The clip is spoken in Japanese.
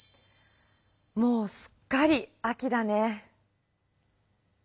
もうすっかり秋だね。